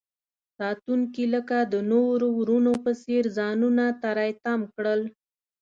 ساتونکي لکه د نورو ورونو په څیر ځانونه تری تم کړل.